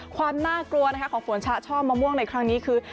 ความน่ากลัวนะคะของฝนชะช่อมะม่วงในครั้งนี้คือ